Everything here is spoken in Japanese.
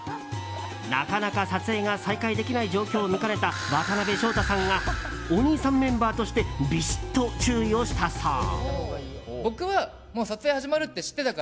なかなか撮影が再開できない状況を見かねた渡辺翔太さんがお兄さんメンバーとしてびしっと注意をしたそう。